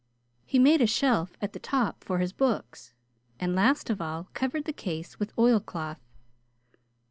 He made a shelf at the top for his books, and last of all covered the case with oil cloth.